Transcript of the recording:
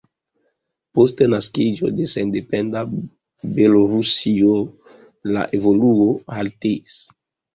Post naskiĝo de sendependa Belorusio la evoluo haltis.